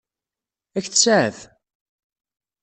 Ad k-tsaɛef?